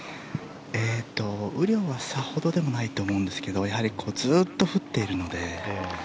雨量はさほどでもないと思うんですけどやはりずっと降っているので。